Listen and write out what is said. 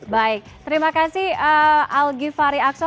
baik terima kasih algy fary aksho